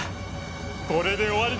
これで終わりだ！